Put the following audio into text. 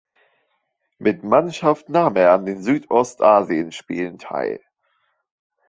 Mit Mannschaft nahm er an den Südostasienspielen teil.